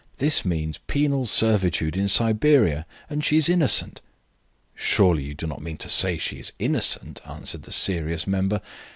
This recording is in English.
"This means penal servitude in Siberia, and she is innocent." "Surely you do not mean to say she is innocent?" answered the serious member.